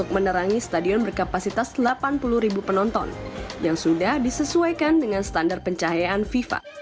menerangi stadion berkapasitas delapan puluh ribu penonton yang sudah disesuaikan dengan standar pencahayaan fifa